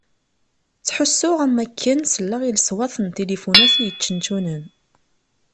Ttḥussuɣ am wakken selleɣ i leṣwat n tilifunat i yeččenčunen.